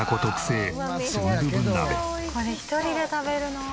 「これ１人で食べるの？」